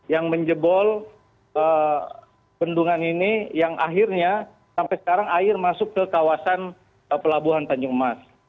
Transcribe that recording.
yang menjebol bendungan ini yang akhirnya sampai sekarang air masuk ke kawasan pelabuhan tanjung emas